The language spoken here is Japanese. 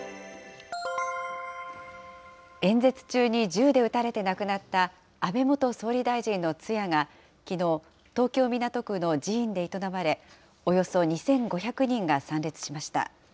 演説中に銃で撃たれて亡くなった安倍元総理大臣の通夜が、きのう、東京・港区の寺院で営まれ、およそ２５００人が参列しました。